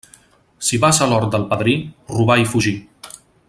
Si vas a l'hort del padrí, robar i fugir.